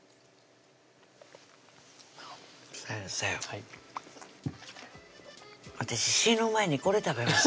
先生はい私死ぬ前にこれ食べます